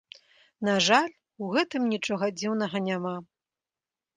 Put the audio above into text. На жаль, у гэтым нічога дзіўнага няма.